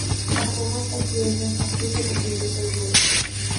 حکومت کا chairman F B کی تبدیلی پر غور